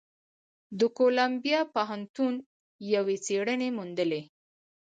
د کولمبیا پوهنتون یوې څېړنې موندلې،